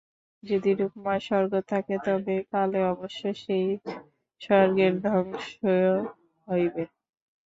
যদি রূপময় স্বর্গ থাকে, তবে কালে অবশ্য সেই স্বর্গের ধ্বংস হইবে।